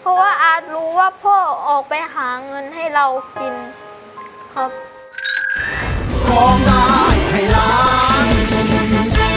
เพราะว่าอาจรู้ว่าพ่อออกไปหาเงินให้เรากิน